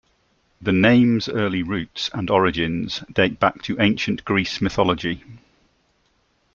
The name's early roots and origins date back to Ancient Greece mythology.